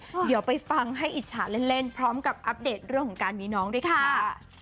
เดี๋ยวไปฟังให้อิจฉาเล่นพร้อมกับอัปเดตเรื่องของการมีน้องด้วยค่ะ